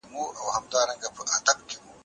شتمنو خلګو بې وزلو ته خیرات ورکړ.